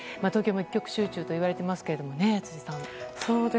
東京も一極集中って言われていますけどもね、辻さん。